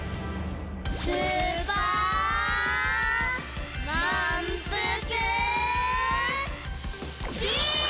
スーパーまんぷくビーム！